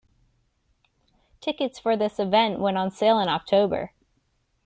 Tickets for this event went on sale in October.